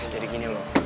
jadi gini loh